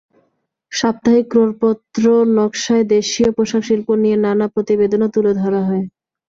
সাপ্তাহিক ক্রোড়পত্র নকশায় দেশীয় পোশাকশিল্প নিয়ে নানা প্রতিবেদনও তুলে ধরা হয়।